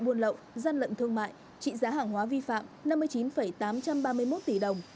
buôn lậu gian lận thương mại trị giá hàng hóa vi phạm năm mươi chín tám trăm ba mươi một tỷ đồng